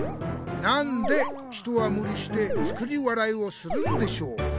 なんで人はむりして『作り笑い』をするんでしょう？」。